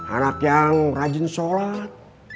anak yang rajin sholat